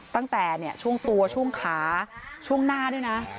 ตั้งแต่ช่วงตัวช่วงขาช่วงหน้าด้วยนะ